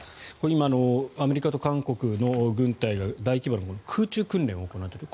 今アメリカと韓国の軍隊が大規模な空中訓練を行っている。